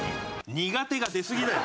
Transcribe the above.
苦手が出すぎだよ！